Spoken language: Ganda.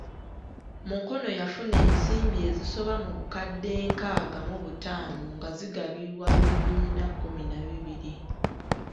Mukono yafuna ensimbi ezisoba mu bukadde enkaaga mu butaano nga zaakugabirwa ebibiina kumi na bibiri.